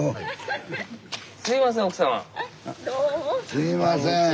すいません。